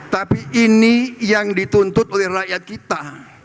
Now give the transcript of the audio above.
tapi ini yang dituntut oleh rakyat kita